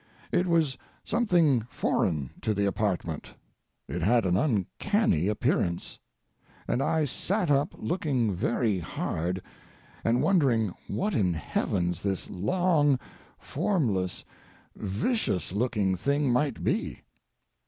It was something foreign to the apartment. It had an uncanny appearance. And I sat up looking very hard, and wondering what in heaven this long, formless, vicious looking thing might be.